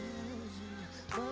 ya kita akan beri bantuan